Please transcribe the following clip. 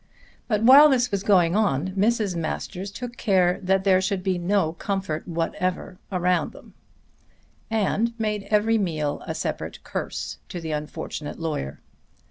But while this was going on Mrs. Masters took care that there should be no comfort whatever around them and made every meal a separate curse to the unfortunate lawyer.